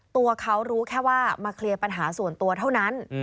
ตัวเขารู้แค่ว่ามาเคลียร์ปัญหาส่วนตัวเท่านั้น